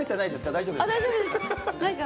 大丈夫です！